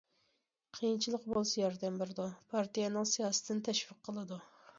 قىيىنچىلىقى بولسا ياردەم بېرىدۇ، پارتىيەنىڭ سىياسىتىنى تەشۋىق قىلىدۇ.